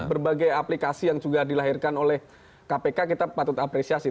berbagai aplikasi yang juga dilahirkan oleh kpk kita patut apresiasi